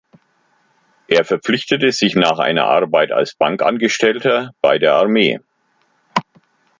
Er verpflichtete sich nach einer Arbeit als Bankangestellter bei der Armee.